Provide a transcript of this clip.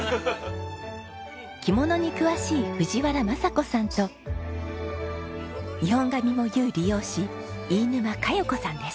着物に詳しい藤原昌子さんと日本髪も結う理容師飯沼加代子さんです。